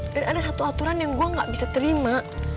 dan ada satu aturan yang gue gak bisa terima